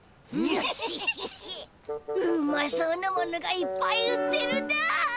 うまそうなものがいっぱい売ってるだ。